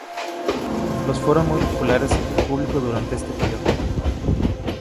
Los fueron muy populares entre el público durante este período.